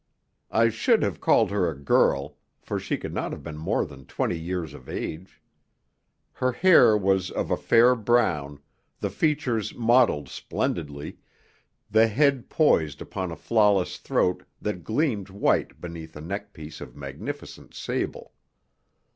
I should have called her a girl, for she could not have been more than twenty years of age. Her hair was of a fair brown, the features modelled splendidly, the head poised upon a flawless throat that gleamed white beneath a neckpiece of magnificent sable.